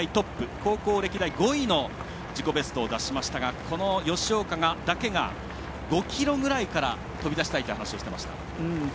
高校歴代５位の自己ベストを出しましたがこの吉岡だけが５ｋｍぐらいから飛び出したいという話をしていました。